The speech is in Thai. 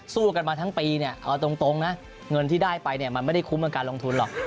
สู้กันมาทั้งปีเนี่ยเอาตรงนะเงินที่ได้ไปเนี่ยมันไม่ได้คุ้มกับการลงทุนหรอก